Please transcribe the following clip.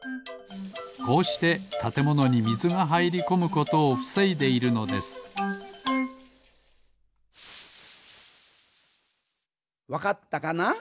こうしてたてものにみずがはいりこむことをふせいでいるのですわかったかな？